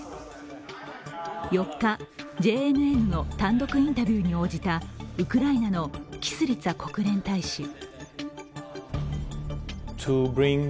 ４日、ＪＮＮの単独インタビューに応じたウクライナのキスリツァ国連大使。